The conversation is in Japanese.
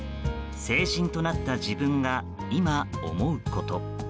成人となった自分が今、思うこと。